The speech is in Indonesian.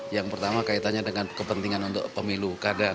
yang pertama kaitannya dengan kepentingan untuk pemilu